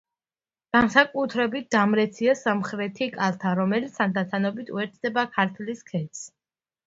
განსაკუთრებით დამრეცია სამხრეთი კალთა, რომელიც თანდათანობით უერთდება ქართლის ქედს.